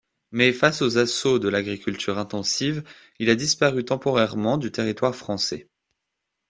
Mais face aux assauts de l'agriculture intensive, il a disparu temporairement du territoire français.